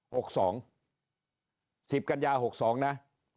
หกสองสิบกัญญาหกสองนะ